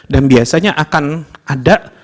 dan biasanya akan ada